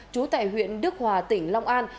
trú tại huyện đức hòa tỉnh long an